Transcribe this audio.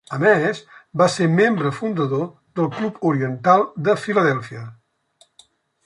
A més, va ser membre fundador del Club Oriental de Filadèlfia.